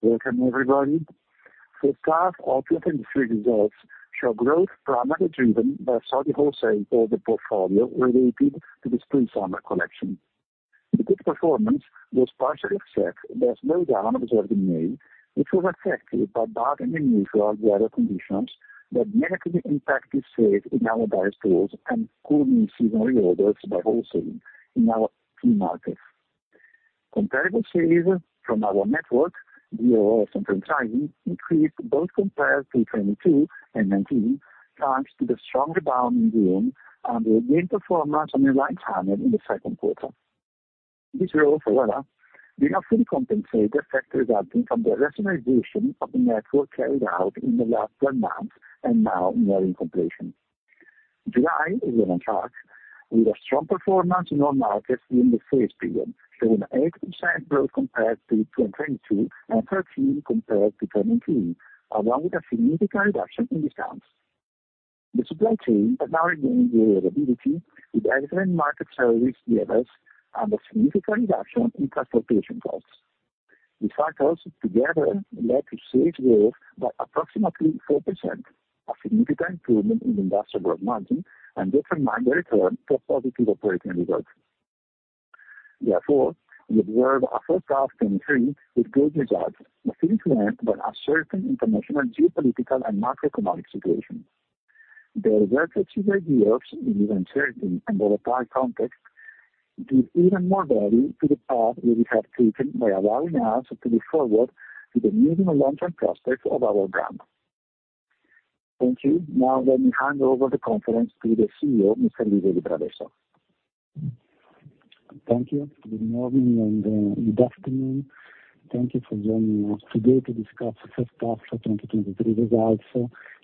Welcome, everybody. The start of 2023 results show growth primarily driven by sell-in wholesale or the portfolio related to the Spring/Summer collection. The good performance was partially offset by a slowdown observed in May, which was affected by bad and unusual weather conditions that negatively impacted sales in our stores and could mean seasonal reorders by wholesaling in our key markets. Comparable sales from our network, digital or DOS, increased both compared to 2022 and 2019, thanks to the strong rebound in June and [the again performance] on the right time in the second quarter. This growth, however, did not fully compensate the effect resulting from the rationalization of the network carried out in the last 12 months and now nearing completion. July is on track, with a strong performance in all markets during the sales period, showing 8% growth compared to 2022, and 13% compared to 2021, along with a significant reduction in discounts. The supply chain is now gaining reliability with excellent market service levels and a significant reduction in transportation costs. These factors together led to sales growth by approximately 4%, a significant improvement in the industrial gross margin, and EBIT margin return to a positive operating result. We observe our first half 2023 with good results, influenced by a certain international geopolitical and macroeconomic situation. The results achieved at Europe in uncertain and volatile context, give even more value to the path that we have taken by allowing us to look forward to the medium and long-term prospects of our brand. Thank you. Let me hand over the conference to the CEO, Mr. Livio Libralesso. Thank you. Good morning and good afternoon. Thank you for joining us today to discuss the first half of 2023 results,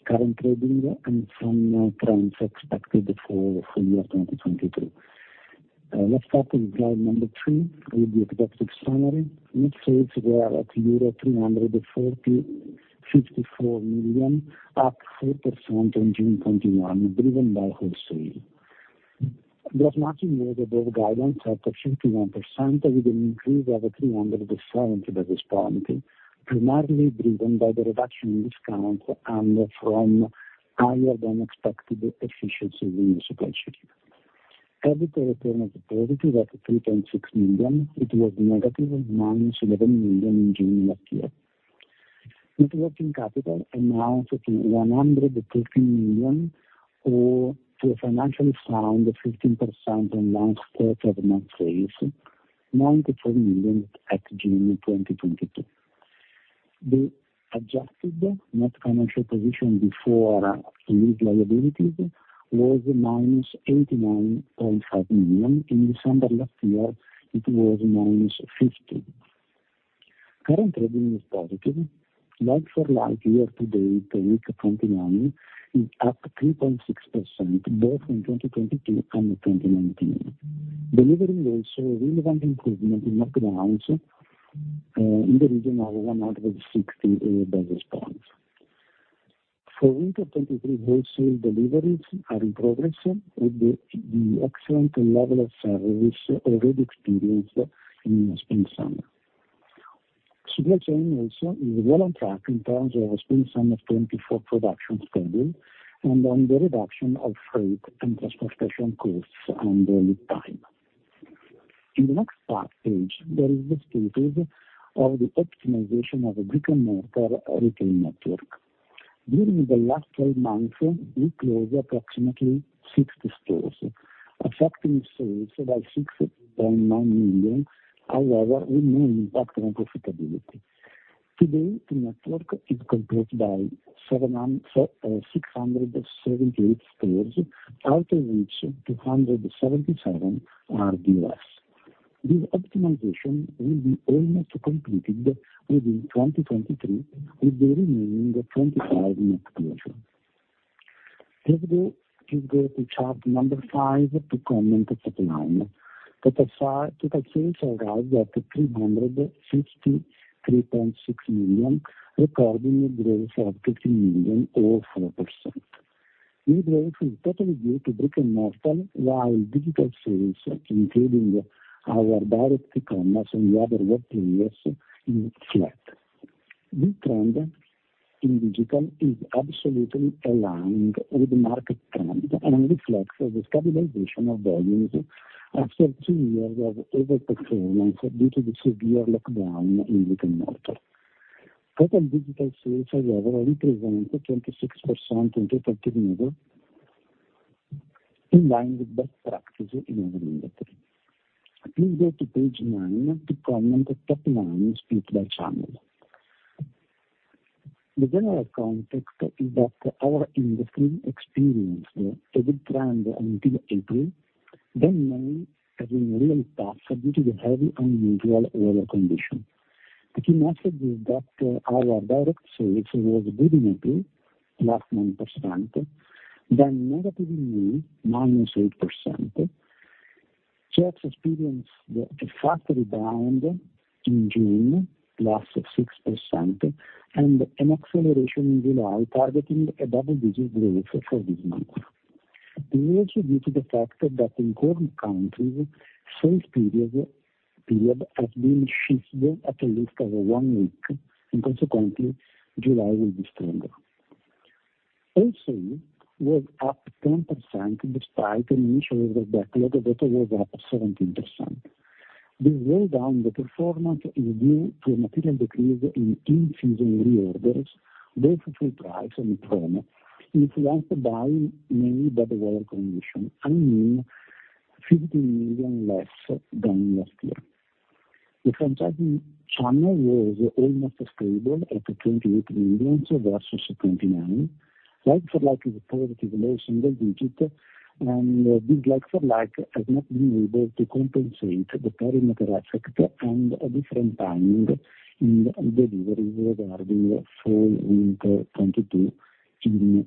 current trading, and some trends expected for full year 2022. Let's start with slide number three, with the executive summary. Net sales were at euro 345 million, up 4% on June 2021, driven by wholesale. Gross margin was above guidance of 51%, with an increase of 300 basis points, primarily driven by the reduction in discounts and from higher than expected efficiency in the supply chain. Operating return was positive at 3.6 million. It was negative at -11 million in June 2022. Net working capital amounts to 113 million, or to a financially sound 15% on last quarter of net sales, 94 million at June 2022. The adjusted net financial position before lease liabilities was -89.5 million. In December last year, it was -50. Current trading is positive. Like-for-like, year to date, week 29 is up 3.6%, both in 2022 and 2019, delivering also a relevant improvement in lockdowns, in the region of 160 basis points. For Winter 2023, wholesale deliveries are in progress with the excellent level of service already experienced in Spring/Summer. Supply chain also is well on track in terms of Spring/Summer 2024 production schedule and on the reduction of freight and transportation costs and lead time. In the next page, there is the status of the optimization of a brick-and-mortar retail network. During the last 12 months, we closed approximately 60 stores, affecting sales by EUR 6.9 million, however, with no impact on profitability. Today, the network is composed by 678 stores, out of which 277 are dealers. This optimization will be almost completed within 2023, with the remaining 25 net closure. Just go to chart number five to comment top line. Total sales arrived at EUR 363.6 million, recording a growth of 13 million or 4%. New growth is totally due to brick-and-mortar, while digital sales, including our direct e-commerce and the other web players, is flat. This trend in digital is absolutely aligned with market trend and reflects the stabilization of volumes after two years of overperformance due to the severe lockdown in brick-and-mortar. Total digital sales, however, represent 26% in total turnover, in line with best practices in our industry. Please go to page nine to comment top line split by channel. The general context is that our industry experienced a good trend until April, May, having a real task due to the heavy, unusual weather conditions. The key message is that our direct sales was good in April, +9%, then negative in May, -8%. Shops experienced a fast rebound in June, +6%, and an acceleration in July, targeting a double-digit growth for this month. Due to the fact that in core countries, sales period has been shifted at least over 1 week, consequently, July will be stronger. We're up 10% despite an initial backlog that was up 17%. The way down the performance is due to a material decrease in in-season reorders, both full price and promo, influenced mainly by the weather condition, mean EUR 15 million less than last year. The franchising channel was almost stable at 28 million versus 29. Like-for-like is positive, low single digit. This like-for-like has not been able to compensate the perimeter effect and a different timing in deliveries regarding Fall/Winter 2022 in January.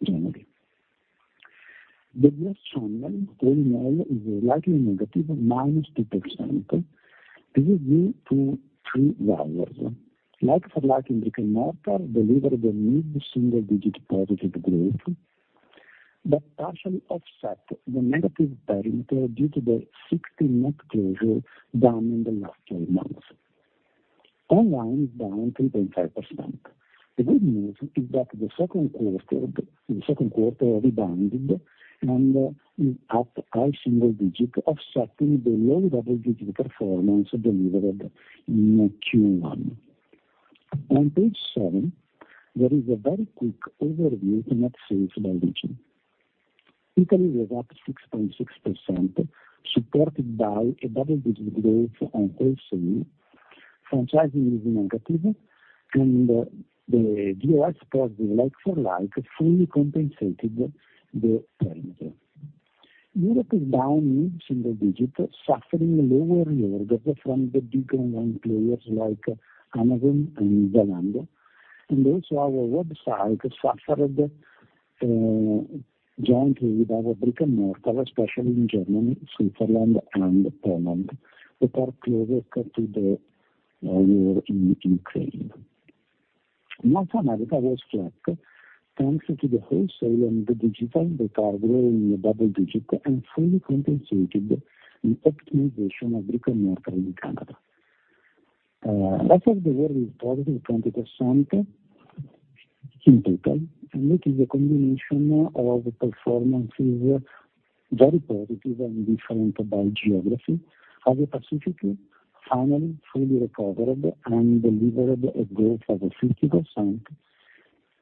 The U.S. channel overall is likely negative, minus 2%. This is due to three drivers. Like-for-like in brick-and-mortar delivered a mid-single digit positive growth, partially offset the negative perimeter due to the 16 month closure down in the last 12 months. Online is down 3.5%. The good news is that the second quarter rebounded and is up high single digit, offsetting the low double-digit performance delivered in Q1. On page seven, there is a very quick overview in net sales by region. Italy was up 6.6%, supported by a double-digit growth on wholesale. Franchising is negative, and the DOS positive like-for-like, fully compensated the perimeter. Europe is down mid-single digit, suffering lower orders from the big online players like Amazon and Zalando, and also our website suffered jointly with our brick-and-mortar, especially in Germany, Switzerland, and Poland, the part closer to the war in Ukraine. North America was flat, thanks to the wholesale and the digital that are growing in double digit and fully compensated the optimization of brick-and-mortar in Canada. Rest of the world is positive, 20% in total, and it is a combination of performances, very positive and different by geography. Asia Pacific, finally, fully recovered and delivered a growth of 50%.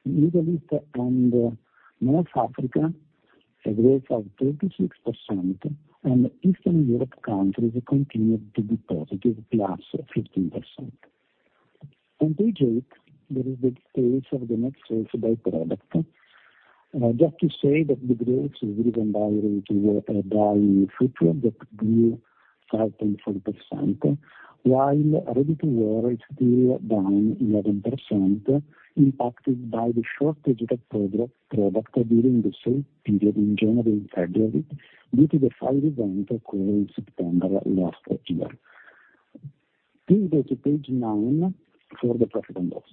Middle East and North Africa, a growth of 36%, and Eastern Europe countries continued to be positive, +15%. On page 8, there is the sales of the net sales by product. just to say that the growth is driven by retail, by footwear, that grew 5.4%, while ready-to-wear is still down 11%, impacted by the shortage of product, product during the same period in January and February, due to the fire event occurred in September last year. Please go to page 9 for the profit and loss.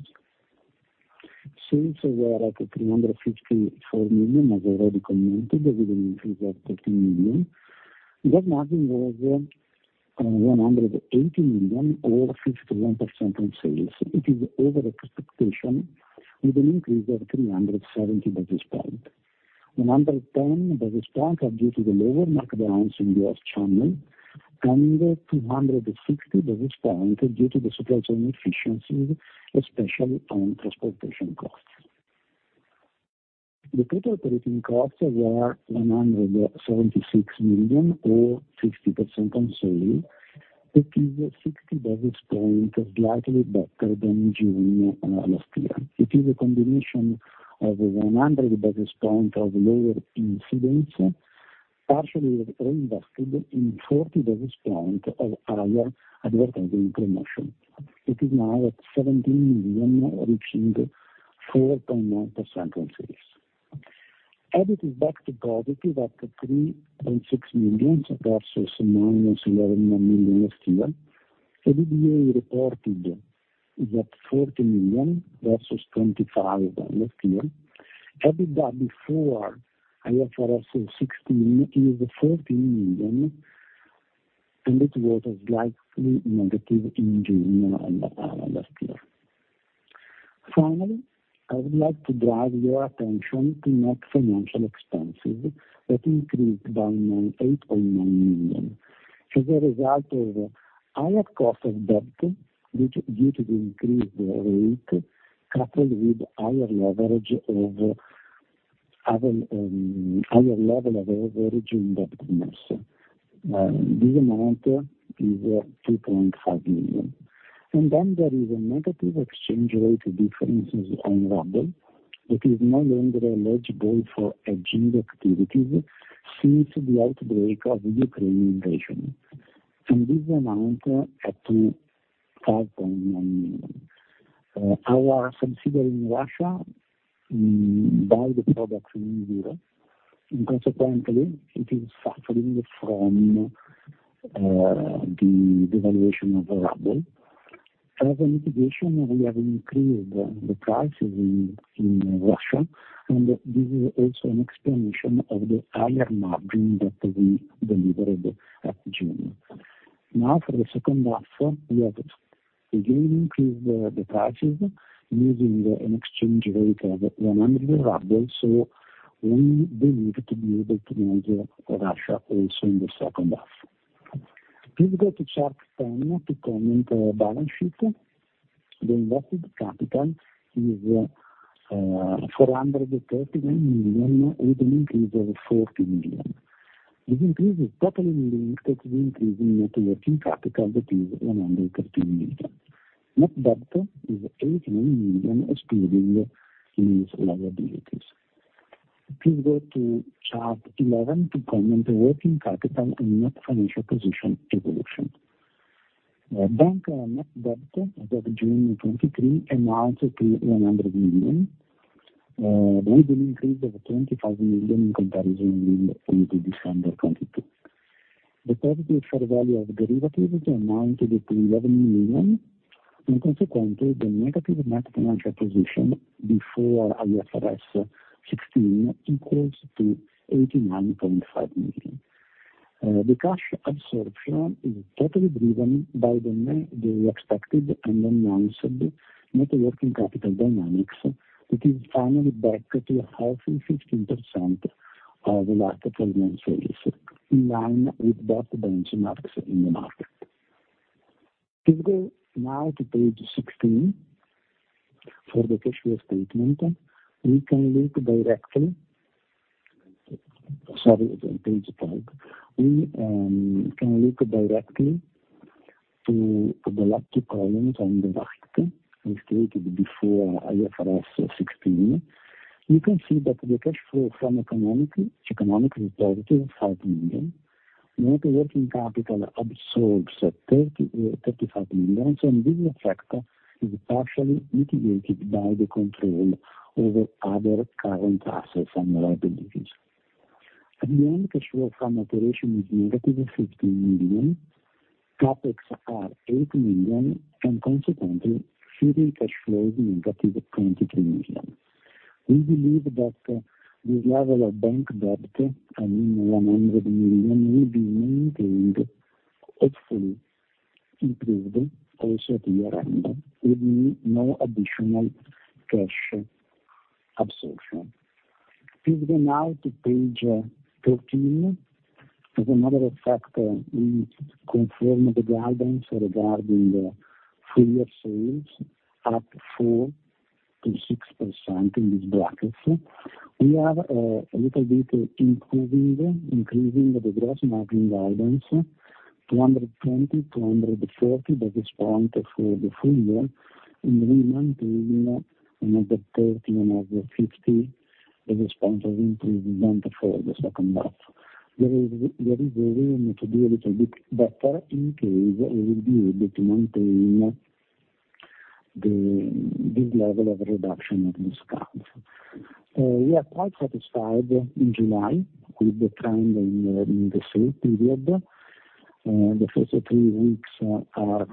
Sales were at EUR 354 million, as already commented, with an increase of EUR 13 million. The margin was EUR 180 million, or 51% on sales, which is over expectation, with an increase of 370 basis points. 110 basis point are due to the lower markdowns in U.S. channel, 260 basis point due to the supply chain efficiencies, especially on transportation costs. The total operating costs were 976 million, or 60% on sale. It is 60 basis point, slightly better than June last year. It is a combination of 100 basis point of lower incidents, partially reinvested in 40 basis point of higher advertising promotion. It is now at 17 million, reaching 4.9% on sales. EBITDA is back to positive at 3.6 million versus -11 million last year. EBITDA reported is at 40 million versus 25 million last year. EBITDA before, IFRS 16, is 14 million, it was slightly negative in June of last year. Finally, I would like to draw your attention to net financial expenses that increased by 8.9 million. As a result of higher cost of debt, which due to the increased rate, coupled with higher level of leverage in debt instruments. This amount is 2.5 million. There is a negative exchange rate differences on ruble, which is no longer eligible for hedging activities since the outbreak of the Ukraine invasion. This amount up to EUR 5.9 million. Our subsidiary in Russia buy the products in euro, and consequently, it is suffering from the devaluation of ruble. As a mitigation, we have increased the prices in Russia, this is also an explanation of the higher margin that we delivered at June. Now for the second half, we have again increased the, the prices using an exchange rate of 100 rubles, so we believe to be able to manage Russia also in the second half. Please go to chart 10 to comment the balance sheet. The invested capital is EUR 431 million, with an increase of EUR 40 million. This increase is totally linked to the increase in net working capital, that is EUR 113 million. Net debt is EUR 89 million, excluding these liabilities. Please go to chart 11 to comment the working capital and net financial position evolution. Bank net debt as of June 2023 amounted to 100 million, with an increase of 25 million in comparison with end of December 2022. The positive fair value of derivatives amounted to 11 million. Consequently, the negative net financial position before IFRS 16 equals to 89.5 million. The cash absorption is totally driven by the expected and announced net working capital dynamics. It is finally back to a healthy 15% of last 12 month sales, in line with best benchmarks in the market. Please go now to page 16 for the cash flow statement. Sorry, page 12. We can look directly to the last two columns on the right, stated before IFRS 16. You can see that the cash flow from economic activity is EUR 5 million. Net working capital absorbs 35 million. This effect is partially mitigated by the control over other current assets and liabilities. At the end, cash flow from operation is negative EUR 15 million. CapEx are EUR 8 million. Consequently, free cash flow is negative 23 million. We believe that the level of bank debt, I mean, 100 million, will be maintained, hopefully improved also at year-end, with no additional cash absorption. Please go now to page 13. As another effect, we confirm the guidance regarding the full year sales, up 4%-6% in this bracket. We are a little bit improving, increasing the gross margin guidance, 220, 240, that is point for the full year. We maintain another 30, another 50, the response of improvement for the second half. There is a room to be a little bit better in case we will be able to maintain this level of reduction of the costs. We are quite satisfied in July with the trend in the sales period. The first three weeks are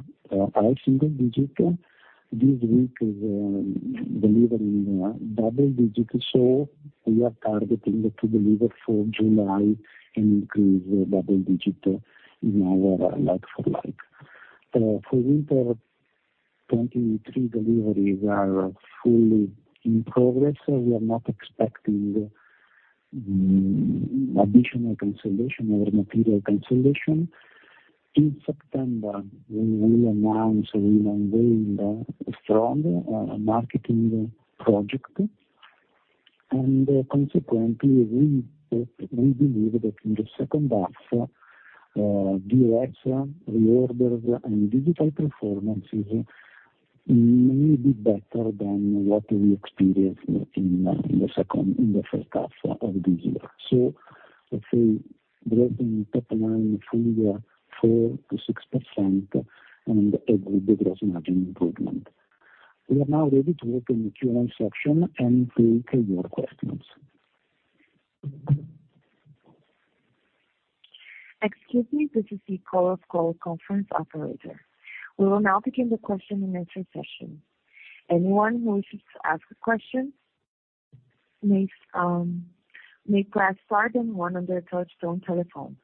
single digit. This week is delivering double digit, we are targeting to deliver for July an increase double digit in our like-for-like. For Winter 2023 deliveries are fully in progress, we are not expecting additional cancellation or material cancellation. In September, we unveiled a strong marketing project, we believe that in the second half, DOS, reorders, and digital performances may be better than what we experienced in the first half of this year. Hopefully, growth in top line full year, 4%-6%, and a good gross margin improvement. We are now ready to open the Q&A section and take your questions. Excuse me, this is the call of call conference operator. We will now begin the question and answer session. Anyone who wishes to ask a question, please may press star then one on their touchtone telephone.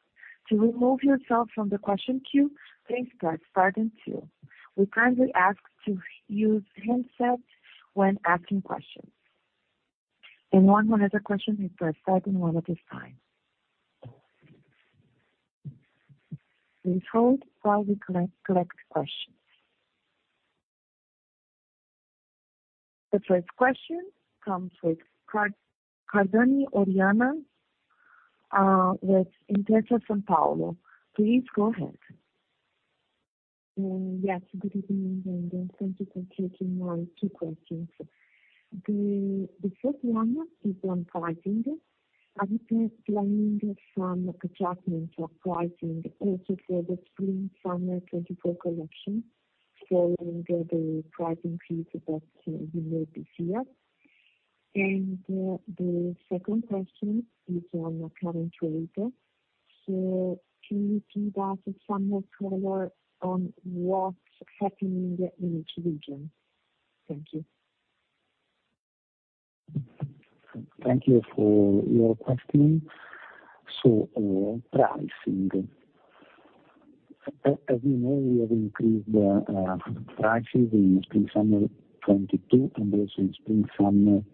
To remove yourself from the question queue, please press star then two. We kindly ask to use handsets when asking questions. Anyone who has a question, may press star then one at this time. Please hold while we collect questions. The first question comes from Oriana Cardani with Intesa Sanpaolo. Please go ahead. Yes, good evening, thank you for taking my two questions. The first one is on pricing. Are you planning some adjustments of pricing also for the Spring/Summer 2024 collection following the pricing increase that you made this year? The second question is on the current trading. Can you give us some more color on what's happening in each region? Thank you. Thank you for your question. As we know, we have increased prices in Spring/Summer 2022, and also in Spring/Summer 2023.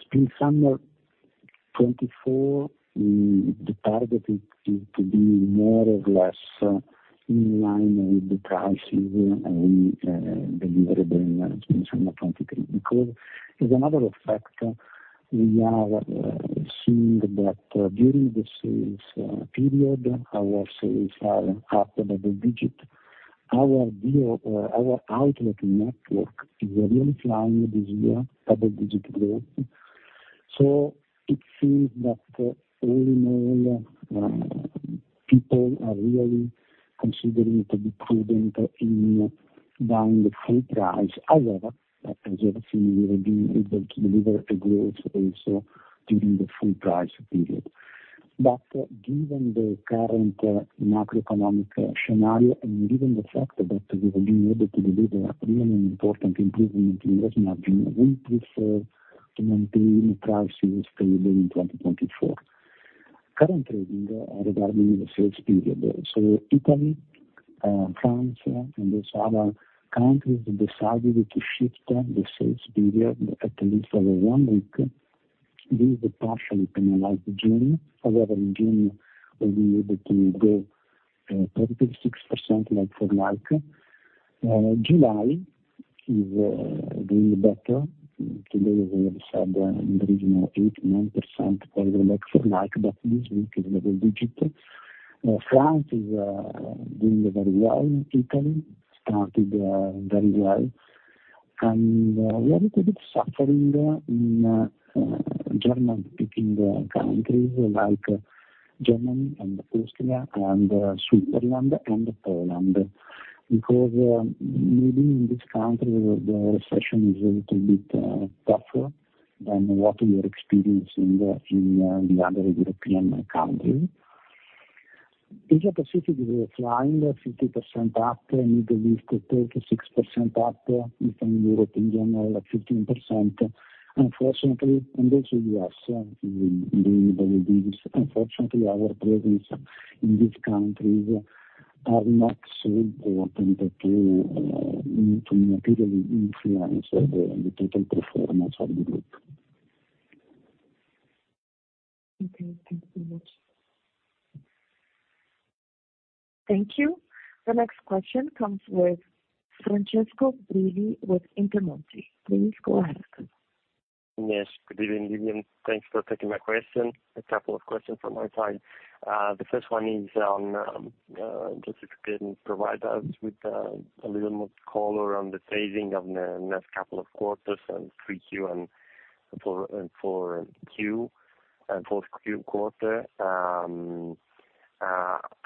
Spring/Summer 2024, the target is to be more or less in line with the pricing and deliverable in Spring/Summer 2023. There's another effect we are seeing that during the sales period, our sales are up double-digit. Our outlet network is really flying this year, double-digit growth. It seems that all in all, people are really considering to be prudent in buying the full price. However, as you have seen, we will be able to deliver a growth also during the full price period. Given the current macroeconomic scenario, and given the fact that we will be able to deliver a really important improvement in gross margin, we prefer to maintain prices stable in 2024. Current trading regarding the sales period. Italy, France, and those other countries decided to shift the sales period at least for 1 week. This partially penalized June. In June, we were able to grow 36% like-for-like. July is doing better. Today, we have said in the region of 8-9% like-for-like, but this week is double digit. France is doing very well. Italy started very well. We are a little bit suffering in German-speaking countries like Germany and Austria and Switzerland and Poland, because maybe in this country the recession is a little bit tougher than what we are experiencing in the other European countries. Asia Pacific, we are flying 50% up, Middle East 36% up, from Europe in general at 15%. Also U.S. is doing very good. Unfortunately, our presence in these countries are not so important to materially influence the total performance of the group. Okay. Thank you very much. Thank you. The next question comes with Francesco Brilli with Intermonte. Please go ahead. Yes, good evening, Livio. Thanks for taking my question. A couple of questions from my side. The first one is on, just if you can provide us with, a little more color on the phasing of the next couple of quarters and 3Q and 4Q, and fourth quarter. I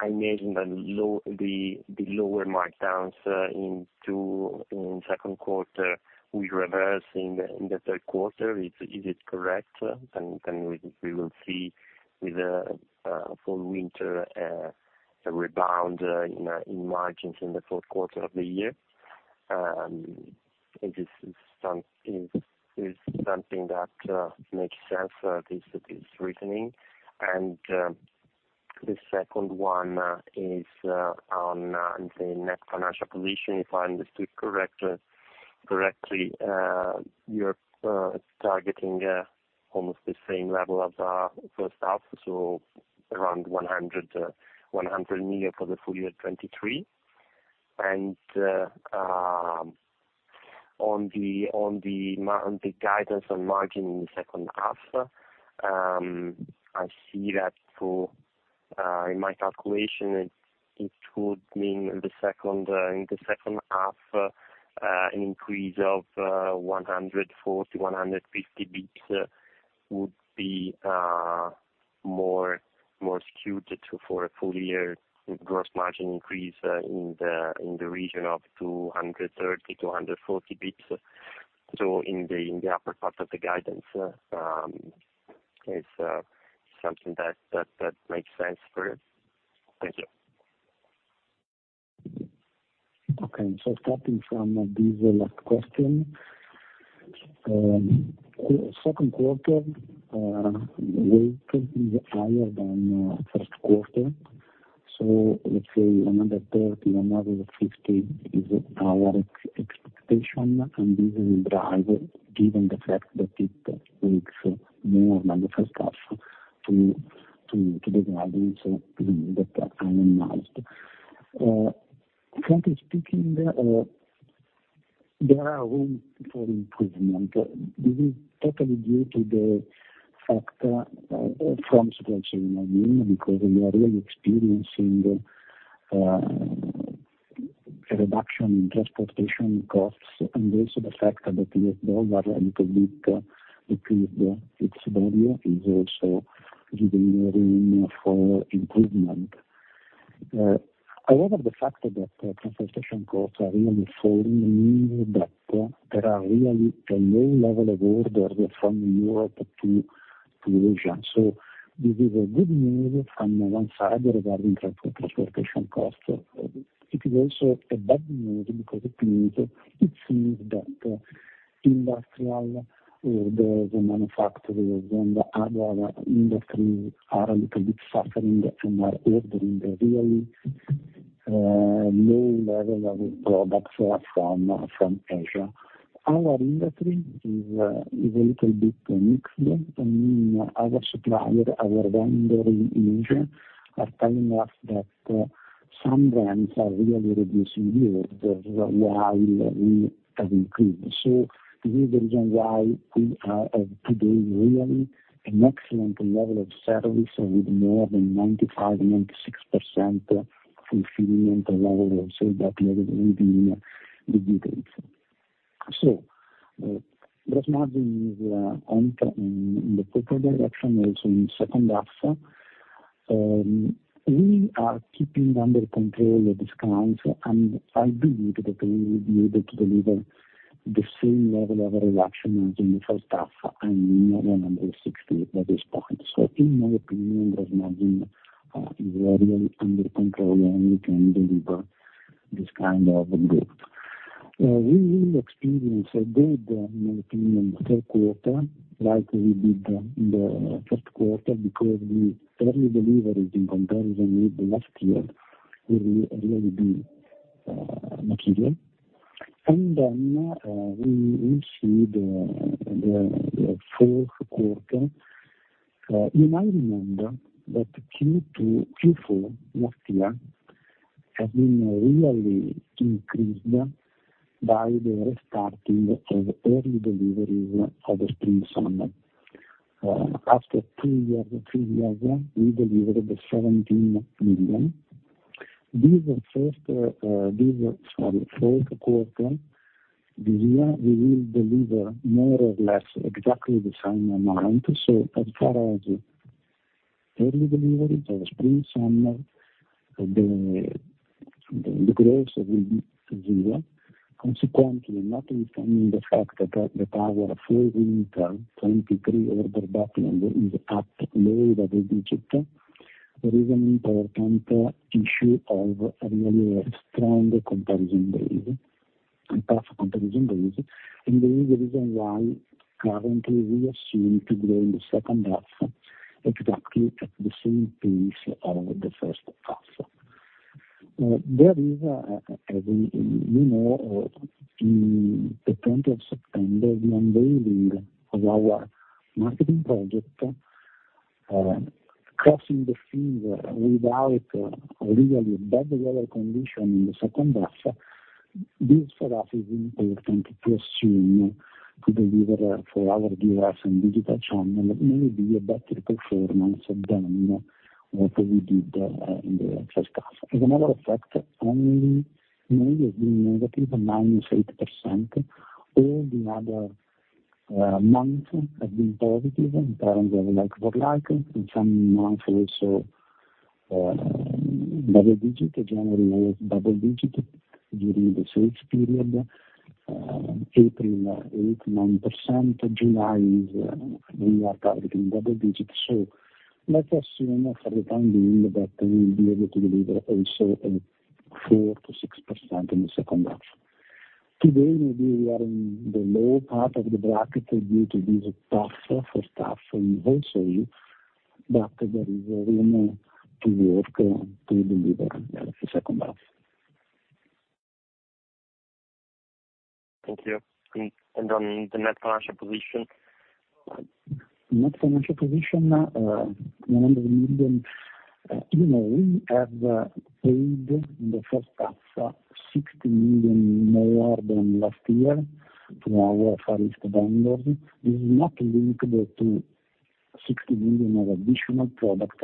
imagine the lower markdowns, in second quarter will reverse in the, in the third quarter. Is it correct? Can we will see with the, full Winter, a rebound, in margins in the fourth quarter of the year? Is this something that, makes sense, this reasoning? The second one is on the net financial position. If I understood correctly, you're targeting almost the same level of first half, so around 100 million for the full year 2023. On the guidance on margin in the second half, I see that in my calculation, it would mean in the second half an increase of 140-150 basis points would be more, more skewed for a full year gross margin increase in the region of 230-240 basis points. In the upper part of the guidance, is something that makes sense for it? Thank you. Starting from this last question. Second quarter weight is higher than first quarter. Let's say another 30, another 50 is our expectation, and this will drive, given the fact that it takes more than the first half to the guidance that I announced. Frankly speaking, there are room for improvement. This is totally due to the factor from structural margin, because we are really experiencing a reduction in transportation costs, and also the fact that the U.S. dollar a little bit increased its value is also giving a room for improvement. However, the fact that transportation costs are really falling, means that there are really a low level of orders from Europe to Asia. This is a good news from one side regarding transportation costs. It is also a bad news because it means, it seems that industrial, the manufacturers and other industry are a little bit suffering and are ordering really low level of products from Asia. Our industry is a little bit mixed. I mean, our supplier, our vendor in Asia, are telling us that some brands are really reducing the orders, while we have increased. This is the reason why we are today, really an excellent level of service with more than 95%-96% fulfillment level. That level will be the details. Gross margin is in the proper direction, also in second half. We are keeping under control the discounts. I believe that we will be able to deliver the same level of reduction as in the first half. We are around 60% at this point. In my opinion, gross margin is really under control, and we can deliver this kind of growth. We will experience a good opinion in the third quarter, like we did in the first quarter, because the early deliveries in comparison with the last year, will really be material. Then, we will see the fourth quarter. You might remember that Q4 last year, has been really increased by the restarting of early deliveries of the Spring/Summer. After two years, three years, we delivered EUR 17 million. This first, sorry, fourth quarter, this year, we will deliver more or less exactly the same amount. As far as early delivery for Spring/Summer, the growth will be zero. Consequently, not considering the fact that the power for Winter 2023 order back in is up low double-digit, there is an important issue of a really strong comparison base, and past comparison base, and the reason why currently we are seeing to grow in the second half, exactly at the same pace of the first half. There is we know in the 20th of September, the unveiling of our marketing project, crossing the finger without really a bad weather condition in the second half. This, for us, is important to assume, to deliver for our device and digital channel, maybe a better performance than what we did in the first half. As a matter of fact, only maybe has been negative, -8%, all the other months have been positive in terms of like-for-like. In some months also, double digit, generally double digit during the sales period. April, 8%-9%. July is, we are targeting double digit. Let's assume for the time being that we will be able to deliver also, 4%-6% in the second half. Today, maybe we are in the low part of the bracket due to this tougher, first half and also but there is room to work to deliver in the second half. Thank you. On the net financial position? Net financial position, 100 million. You know, we have paid in the first half, 60 million more than last year from our Far East vendors. This is not linkable to 60 million of additional product.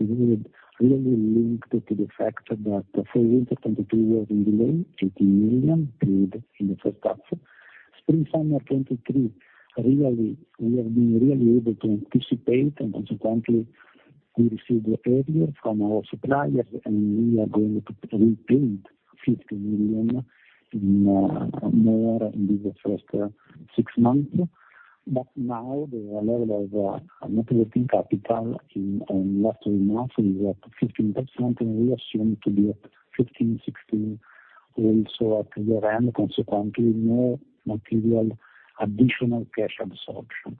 This is really linked to the fact that for Winter 2022 was in delay, 18 million paid in the first half. Spring/Summer 2023, really, we have been really able to anticipate and consequently we received the order from our suppliers, and we are going to pre-paid EUR 50 million more in the first six months. Now the level of net working capital in last month is at 15%, and we assume to be at 15%-16% also at the end, consequently, more material, additional cash absorption.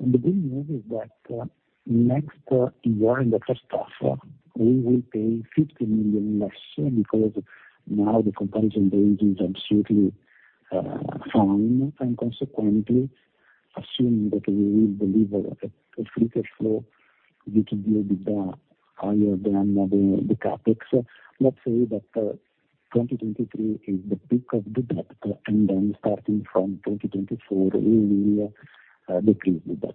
The good news is that next year in the first half, we will pay 50 million less, because now the comparison base is absolutely firm, consequently, assuming that we will deliver a free cash flow, which will be higher than the CapEx. Let's say that 2023 is the peak of the debt, starting from 2024, we will decrease the debt.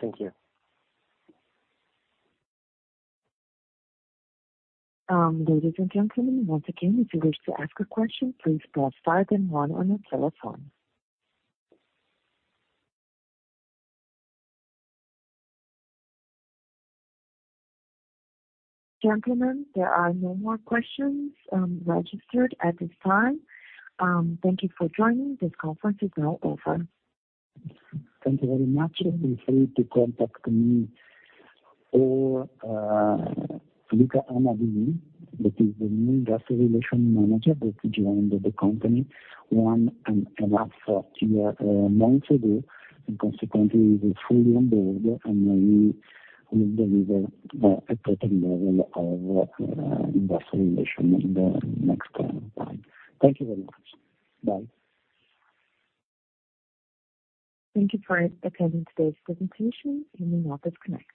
Thank you. Ladies and gentlemen, once again, if you wish to ask a question, please press five then one on your telephone. Gentlemen, there are no more questions registered at this time. Thank you for joining. This conference is now over. Thank you very much, and feel free to contact me or, Luca Amadini, that is the new Investor Relations Manager that joined the company one and a half months ago, and consequently, he is fully on board, and we will deliver a total level of Investor Relations in the next time. Thank you very much. Bye. Thank you for attending today's presentation. You may now disconnect.